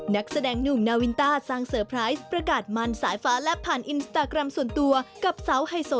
นักแสดงหนุ่มนาวินต้าสร้างเซอร์ไพรส์ประกาศมันสายฟ้าและผ่านอินสตาแกรมส่วนตัวกับสาวไฮโซ